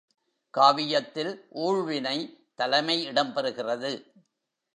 காவியத்தில் ஊழ்வினை தலைமை இடம் பெறுகிறது.